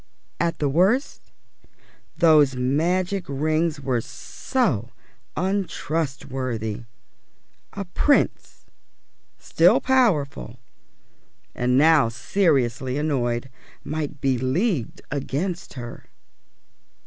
At the worst those magic rings were so untrustworthy! a Prince, still powerful, and now seriously annoyed, might be leagued against her.